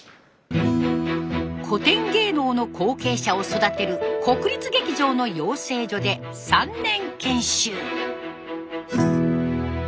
古典芸能の後継者を育てる国立劇場の養成所で３年研修。